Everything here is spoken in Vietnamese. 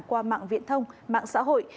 qua mạng viện thông mạng xã hội